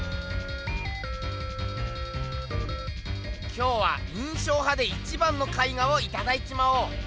今日は印象派で一番の絵画をいただいちまおう。